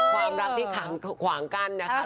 ความรักที่ขวางกั้นนะคะ